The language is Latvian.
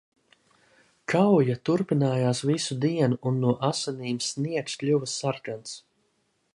Kauja turpinājās visu dienu un no asinīm sniegs kļuva sarkans.